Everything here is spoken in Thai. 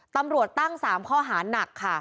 ตำรวจตั้ง๓ข้อหานักค่ะ